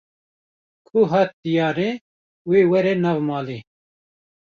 Ku hat diyarê, wê were nav malê